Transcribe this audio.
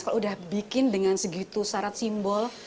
kalau udah bikin dengan segitu syarat simbol